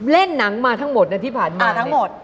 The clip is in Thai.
เล่นหนังมาทั้งหมดนะที่ผ่านมามาทั้งหมด